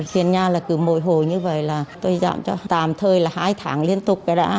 tiền nhà là cứ mỗi hồ như vậy là tôi giảm cho tạm thời là hai tháng liên tục cái rã